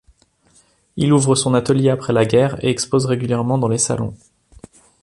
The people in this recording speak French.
Il ouvre son atelier après la guerre et expose régulièrement dans les salons.